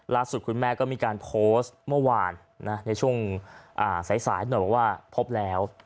ลักษณ์สุดคุณแม่ก็มีการโพสต์เมื่อวานในช่วงสายหน่อยว่าพบแล้ว